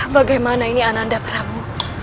bagaimana ini ananda prabu